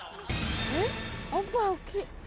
えっおっぱい大きい。